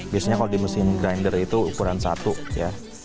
biasanya kalau di mesin grander itu ukuran satu ya